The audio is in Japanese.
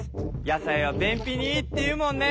野菜は便ぴにいいっていうもんね。